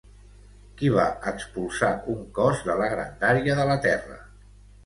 Qui va expulsar un cos de la grandària de la terra?